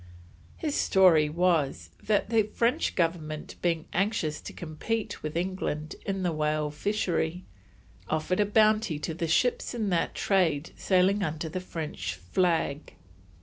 His story was that the French Government being anxious to compete with England in the whale fishery, offered a bounty to the ships in that trade sailing under the French flag.